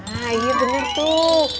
nah iya bener tuh